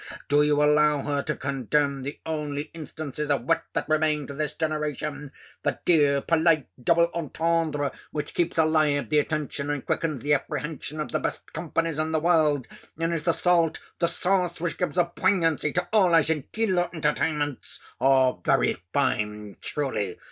Do you allow her to condemn the only instances of wit that remain to this generation; that dear polite double entendre, which keeps alive the attention, and quickens the apprehension, of the best companies in the world, and is the salt, the sauce, which gives a poignancy to all our genteeler entertainments! Very fine, truly!